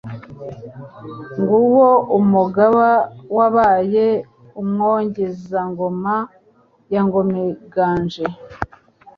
Nguwo umugaba wabaye umwogezangoma ya Ngomiganje.